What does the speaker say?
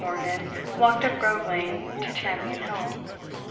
Morgan walked up Grove Lane to Champion Hill.